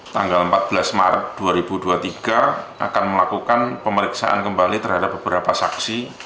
tanggal empat belas maret dua ribu dua puluh tiga akan melakukan pemeriksaan kembali terhadap beberapa saksi